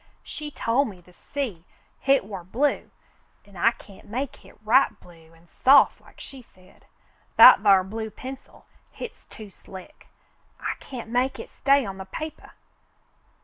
"She tol' me the sea, hit war blue, an' I can't make hit right blue an' soft like she said. That thar blue pencil, hit's too slick. I can't make hit stay on the papah."